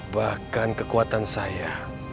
bahkan kekuatan saya